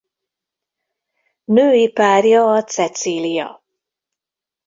Női párja a Cecília.